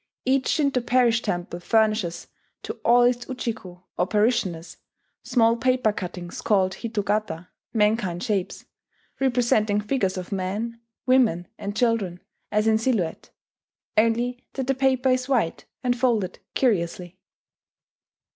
Each Shinto parish temple furnishes to all its Ujiko, or parishioners, small paper cuttings called hitogata ("mankind shapes"), representing figures of men, women, and children as in silhouette, only that the paper is white, and folded curiously.